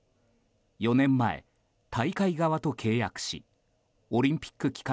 ４年前、大会側と契約しオリンピック期間